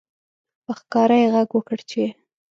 په ښکاره یې غږ وکړ چې